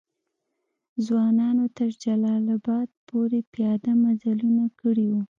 ځوانانو تر جلال آباد پوري پیاده مزلونه کړي وو.